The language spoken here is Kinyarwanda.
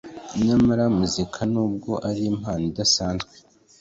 Nyamara muzika n'ubwo ari impano idasanzwe